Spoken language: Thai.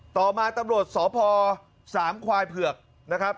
ต่อมาตำรวจสพสามควายเผือกนะครับ